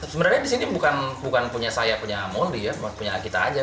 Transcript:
sebenarnya di sini bukan punya saya punya mondi ya punya kita aja